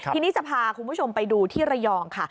ทีนี้จะพาคุณผู้ชมไปดูที่ระยองค่ะ